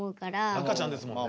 赤ちゃんですもんね。